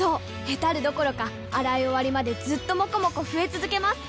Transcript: ヘタるどころか洗い終わりまでずっともこもこ増え続けます！